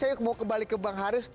saya mau kembali ke bang haris